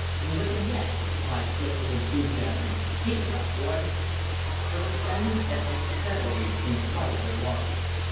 "We'll lick 'em yet!" cried Clif, with enthusiasm. "Keep it up, boys!" But the Spaniards advanced steadily in spite of their losses.